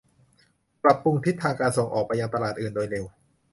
ปรับปรุงทิศทางการส่งออกไปยังตลาดอื่นโดยเร็ว